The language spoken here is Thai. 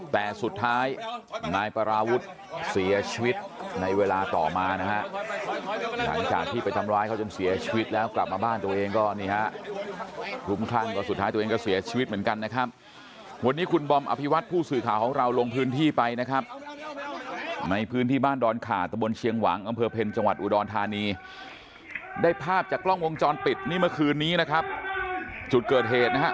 แต่สุดท้ายนายประมาวุฒกเสียชีวิตในเวลาต่อมานะครับหลังจากที่ไปทำร้ายเขาจนเสียชีวิตแล้วกลับมาบ้านตัวเองก็นี่ฮะหุ้มครั่งก็สุดท้ายตัวเองก็เสียชีวิตเหมือนกันนะครับวันนี้คุณบอมอภิวัตรผู้สื่อข่าวของเราลงพื้นที่ไปนะครับในพื้นที่บ้านดอนขาตบนเชียงหวังอำเภอเพลงจังหวัดอ